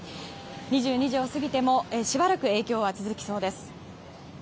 ２２時を過ぎてもしばらく影響は続きそうです。